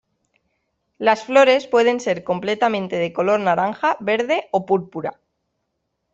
Las flores pueden ser completamente de color naranja, verde o púrpura.